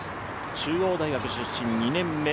中央大学出身２年目。